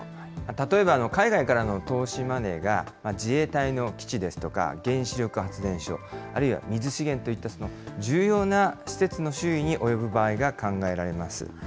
例えば海外からの投資マネーが、自衛隊の基地ですとか、原子力発電所、あるいは水資源といった、重要な施設の周囲に及ぶ場合が考えられます。